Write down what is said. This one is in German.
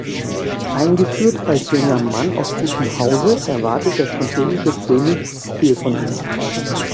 Eingeführt als junger Mann aus gutem Hause erwartet der französische König viel von ihm.